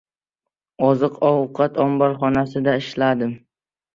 — Oziq-ovqat omborxonasida ishladim.